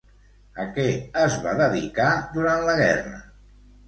A què es va dedicar durant la Guerra?